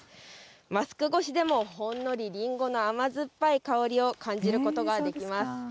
マスク越しでもほんのりりんごの甘酸っぱい香りを感じることができます。